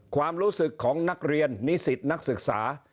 ความรู้สึกของนักเรียนนิสิตนักศึกษา